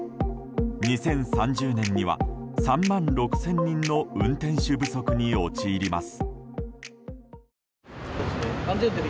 ２０３０年には３万６０００人の運転手不足に陥ります。